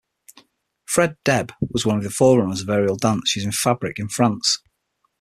Fred Deb was one of the forerunners of aerial dance using fabric in France.